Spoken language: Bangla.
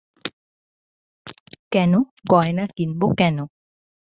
কেন, গয়না কিনব কেন?